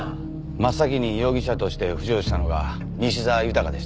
真っ先に容疑者として浮上したのが西沢豊でした。